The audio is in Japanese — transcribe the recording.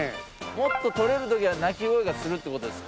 もっととれるときは鳴き声がするってことですか？